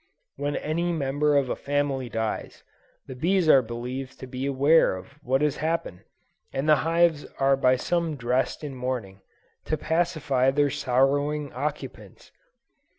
When any member of a family dies, the bees are believed to be aware of what has happened, and the hives are by some dressed in mourning, to pacify their sorrowing occupants!